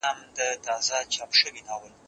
نان د زهشوم له خوا خوړل کيږي؟